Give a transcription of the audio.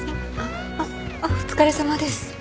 あっお疲れさまです。